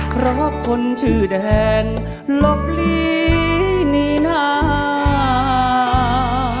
เพราะคนชื่อแดงหลบหลีนี่นา